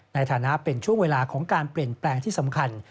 ในฐานะเป็นช่วงเวลาของการเปลี่ยนแปลงที่สำคัญ